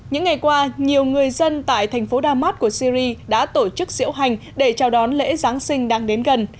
những ngày qua nhiều người dân tại thành phố damas của syri đã tổ chức diễu hành để chào đón lễ giáng sinh đang đến gần